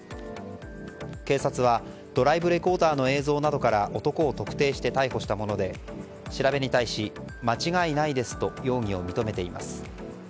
警察はドライブレコーダーの映像などから男を特定して、逮捕したもので調べに対し、間違いないですと容疑を認めています。